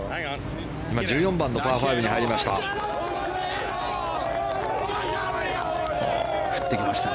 １４番のパー５に入りました。